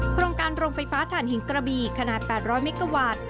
โครงการโรงไฟฟ้าฐานหินกระบีขนาด๘๐๐เมกาวัตต์